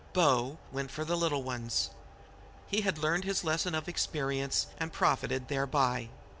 "Bo" went for the little ones. He had learned his lesson of experience, and profited thereby.